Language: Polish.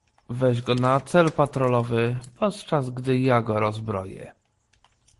"Weź go na cel, patrolowy, podczas gdy ja go rozbroję."